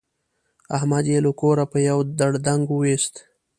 احمد يې له کوره په يوه دړدنګ ویوست.